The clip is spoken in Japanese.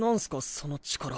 その力。